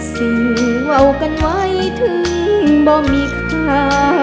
สิ่งเอากันไว้ถึงบ่มิค่ะ